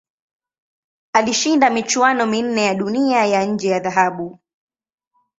Alishinda michuano minne ya Dunia ya nje ya dhahabu.